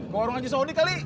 kalau orang haji saudi kali